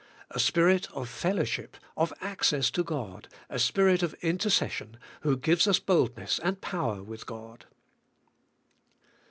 A Spirit of fellowship, of access to God, a Spirit of in tercession, who give us boldness and pov/er with God.